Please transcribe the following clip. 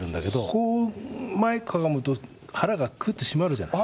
こう前かがむと腹がクッと締まるじゃない。